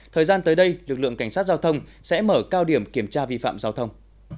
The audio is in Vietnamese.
thời gian tới đây lực lượng cảnh sát giao thông sẽ mở cao điểm kiểm tra vi phạm giao thông